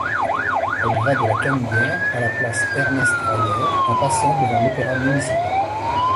Elle va de la Canebière à la place Ernest-Reyer en passant devant l’opéra municipal.